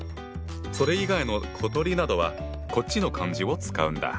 それ以外の小鳥などはこっちの漢字を使うんだ。